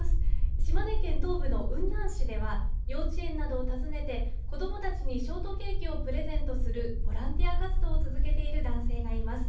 島根県東部の雲南市では幼稚園などを訪ねて子どもたちにショートケーキをプレゼントするボランティア活動を続けている男性がいます。